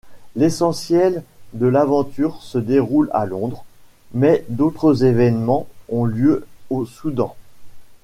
L'essentiel de l'aventure se déroule à Londres, mais d'autres événements ont lieu au Soudan.